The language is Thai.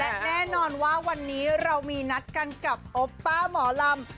และแน่นอนว่าวันนี้เรามีนัดกันกับโอปป้าหมอลำ